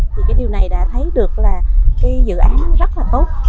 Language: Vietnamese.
thì cái điều này đã thấy được là cái dự án rất là tốt